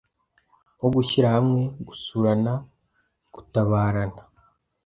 nko gushyira hamwe, gusurana, gutabarana,